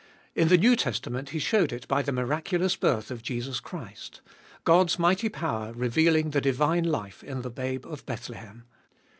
In the New Testament He showed it by the miracu lous birth of Jesus Christ : God's mighty power revealing the divine life in the babe of Bethlehem.